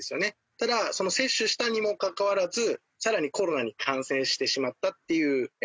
ただ接種したにもかかわらず更にコロナに感染してしまったっていう状況になります。